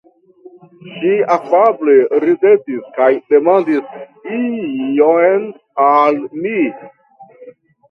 Ŝi afable ridetis kaj demandis ion al mi.